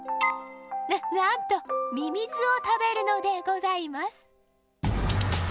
ななんとミミズをたべるのでございます。